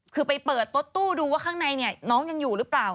คือไปเปิดรถตู้ดูว่าข้างในน้องยังอยู่หรือเปล่า